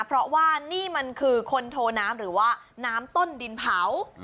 เพราะว่านี่มันคือคนโทน้ำหรือว่าน้ำต้นดินเผา